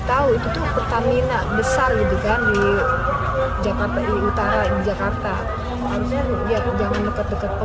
tooju tetangginya besar juga di jakarta utara jakartaiar jangan deket deket dan youtube